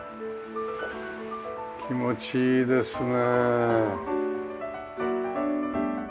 気持ちいいですね。